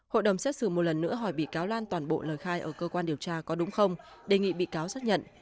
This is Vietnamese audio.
hội đồng xét xử một lần nữa hỏi bị cáo lan toàn bộ lời khai ở cơ quan điều tra có đúng không đề nghị bị cáo xác nhận